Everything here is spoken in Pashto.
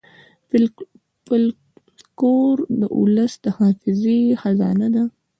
فلکور د ولس د حافظې خزانه ده.